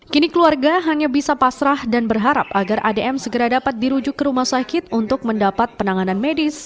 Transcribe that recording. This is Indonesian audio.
kini keluarga hanya bisa pasrah dan berharap agar adm segera dapat dirujuk ke rumah sakit untuk mendapat penanganan medis